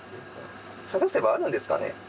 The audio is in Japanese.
探せばあるんですかね。